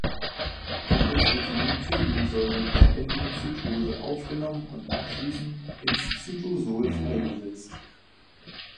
Dadurch wird die Nukleinsäure per Endozytose aufgenommen und anschließend ins Zytosol freigesetzt.